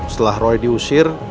setelah roy diusir